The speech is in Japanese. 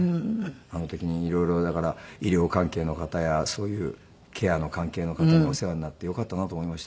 あの時に色々だから医療関係の方やそういうケアの関係の方にお世話になってよかったなと思いました。